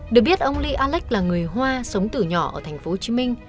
được biết ông lee alex là người hoa sống từ nhỏ ở tp hcm